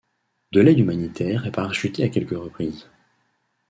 De l'aide humanitaire est parachutée à quelques reprises.